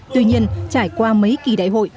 tuy nhiên trải qua mấy kỳ đại hội